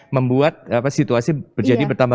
membuat situasi menjadi bertambah